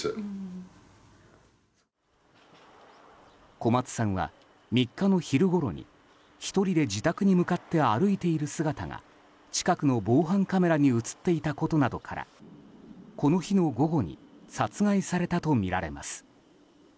小松さんは、３日の昼ごろに１人で自宅に向かって歩いている姿が近くの防犯カメラに映っていたことなどからこの日の午後に殺害されたとみられます。